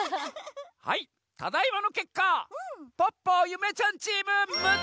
はいただいまのけっかポッポゆめちゃんチーム６つせいかい！